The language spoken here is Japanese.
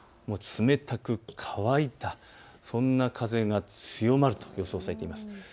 冷たく乾いたそんな風が強まると予想されています。